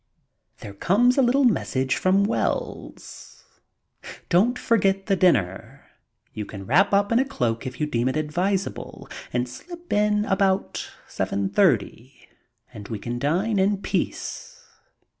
There comes a little message from Wells : Don't forget the dinner. You can wrap up in a cloak if you deem it advisable, and slip in about 7.30 and we can dine in peace.